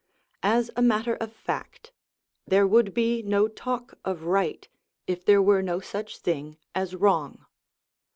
As a matter of fact, there would be no talk of right if there were no such thing as wrong.